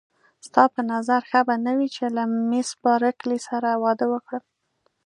ستا په نظر ښه به نه وي چې له مېس بارکلي سره واده وکړم.